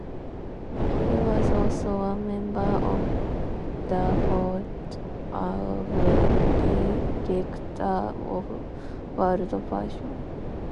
He was also a member of the board of directors of World Vision.